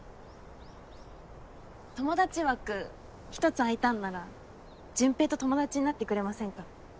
友達枠１つ空いたんなら順平と友達になってくれませんか？